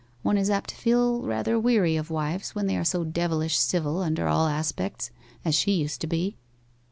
One is apt to feel rather weary of wives when they are so devilish civil under all aspects, as she used to be.